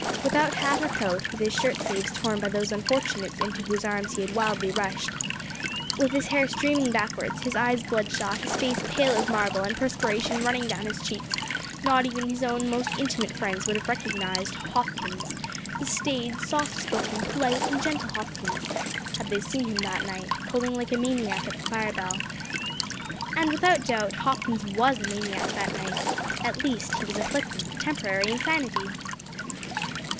Without hat or coat, with his shirt sleeves torn by those unfortunates into whose arms he had wildly rushed, with his hair streaming backwards, his eyes blood shot, his face pale as marble, and perspiration running down his cheeks, not even his own most intimate friends would have recognised Hopkins the staid, softspoken, polite, and gentle Hopkins had they seen him that night pulling like a maniac at the fire bell. And, without doubt, Hopkins was a maniac that night at least he was afflicted with temporary insanity!